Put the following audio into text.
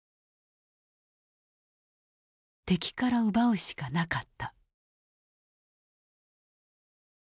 敵から奪うしかなかった。